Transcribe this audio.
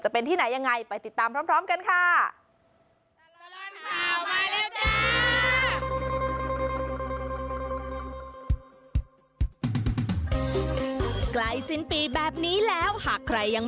เป็นที่ไหนยังไงไปติดตามพร้อมกันค่ะ